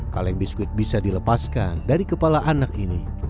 kaleng biskuit bisa dilepaskan dari kepala anak ini